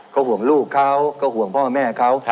ก็ห่วงลูกเขาก็ห่วงพ่อแม่เขา